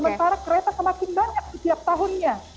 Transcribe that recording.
sementara kereta semakin banyak setiap tahunnya